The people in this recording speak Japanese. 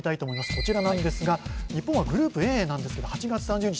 こちらなんですが日本はグループＡなんですけど８月３０日。